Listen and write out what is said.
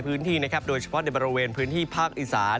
พื้นที่นะครับโดยเฉพาะในบริเวณพื้นที่ภาคอีสาน